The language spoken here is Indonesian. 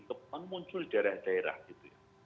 kemudian muncul di daerah daerah gitu ya